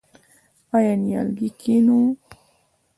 آیا نیالګی کینوو؟